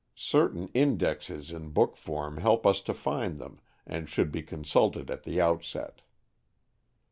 Certain indexes in book form help us to find them, and should be consulted at the outset.